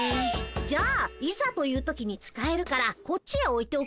じゃあ「いざという時」に使えるからこっちへおいておくね。